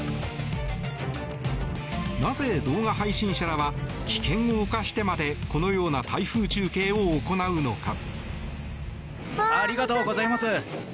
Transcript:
なぜ動画配信者らは危険を冒してまでこのような台風中継を行うのか。